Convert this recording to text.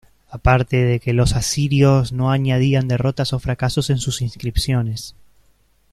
Aparte de que los asirios no añadían derrotas o fracasos en sus inscripciones.